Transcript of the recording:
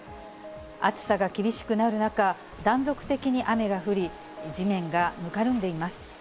暑さが厳しくなる中、断続的に雨が降り、地面がぬかるんでいます。